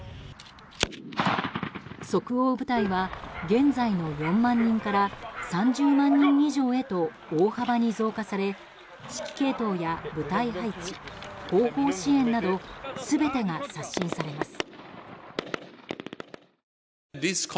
即応部隊は、現在の４万人から３０万人以上へと大幅に増加され指揮系統や部隊配置後方支援など全てが刷新されます。